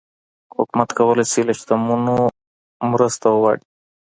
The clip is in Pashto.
حکومت کولای سي له شتمنو مرسته وغواړي.